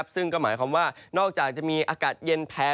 ซึ่งก็หมายความว่านอกจากจะมีอากาศเย็นแพ้